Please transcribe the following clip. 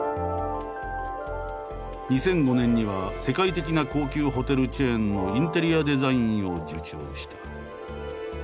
２００５年には世界的な高級ホテルチェーンのインテリアデザインを受注した。